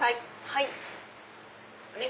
はい。